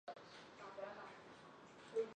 高松伸建筑设计事务所主持建筑师。